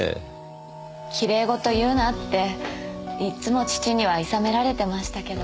奇麗事を言うなっていつも父には諌められてましたけど。